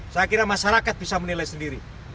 saya kira masyarakat bisa menilai sendiri